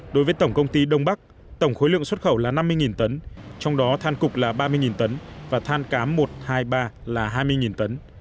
đối với tổng công ty đông bắc tổng khối lượng xuất khẩu là năm mươi tấn trong đó than cục là ba mươi tấn và than cám một hai mươi ba là hai mươi tấn